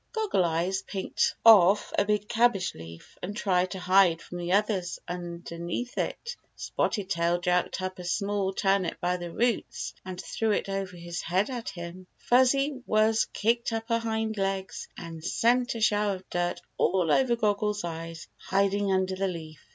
Goggle Eyes picked oflf a big cabbage leaf and tried to hide from the others under it. Spotted Tail jerked up a small turnip by the roots, and threw it over his head at him. Fuzzy Wuzz kicked up her hind legs and sent a shower of dirt all over Goggle Eyes hiding under the leaf.